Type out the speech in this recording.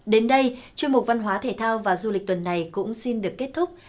đến đây chuyên mục văn hóa thể thao và du lịch tuần này cũng xin được kết thúc